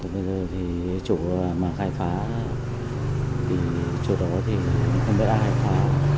bây giờ chỗ mà khai phá chỗ đó thì không biết ai khai phá